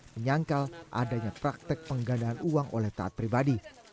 menyangkal adanya praktek penggandaan uang oleh taat pribadi